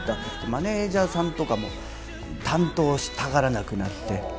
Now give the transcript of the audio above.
マネージャーさんとかも担当したがらなくなって。